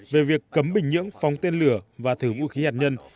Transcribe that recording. về việc cấm bình nhưỡng phóng tên lửa và thử vũ khí hạt nhân